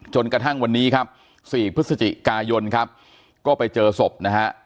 จนกระทั่งวันนี้ครับ๔พฤศจิกายนครับก็ไปเจอศพนะฮะ